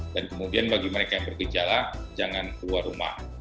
dan kemudian bagi mereka yang berkejala jangan keluar rumah